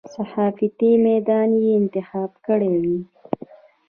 صحافتي میدان یې انتخاب کړی وي.